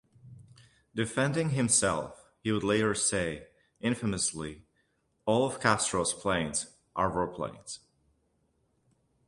Defending himself, he would later say, infamously, All of Castro's planes are warplanes.